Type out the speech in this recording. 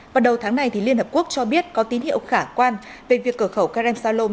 vào đầu tháng này liên hợp quốc cho biết có tín hiệu khả quan về việc cửa khẩu kerem salom